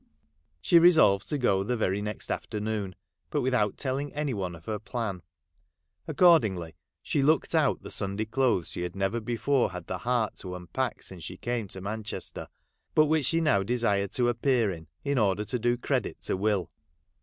She resolved to go the very next afternoon, but without telling any one of her plan. Accordingly she looked out the Sunday clothes she had never before had the heai t to unpack since she came to Manchester, but which she now desired to appear in, in order to do credit. to Will.